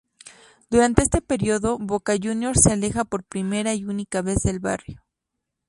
Durante este periodo Boca Juniors se aleja por primera y única vez del barrio.